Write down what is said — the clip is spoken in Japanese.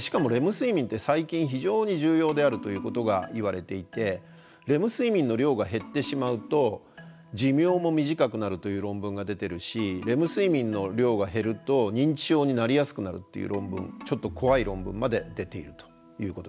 しかもレム睡眠って最近非常に重要であるということがいわれていてレム睡眠の量が減ってしまうと寿命も短くなるという論文が出てるしレム睡眠の量が減ると認知症になりやすくなるっていう論文ちょっと怖い論文まで出ているということです。